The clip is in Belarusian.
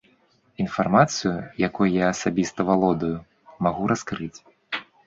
Інфармацыю, якой я асабіста валодаю, магу раскрыць.